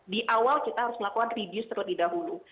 di awal kita harus melakukan reduce terlebih dahulu